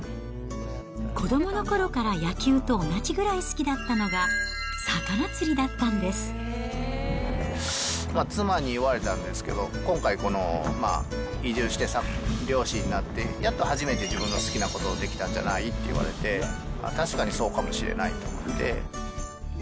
子どものころから野球と同じぐらい好きだったのが、魚釣りだ妻に言われたんですけど、今回、移住して漁師になって、やっと初めて、自分の好きなことができたんじゃない？って言われて、確かにそうかもしれないと思って。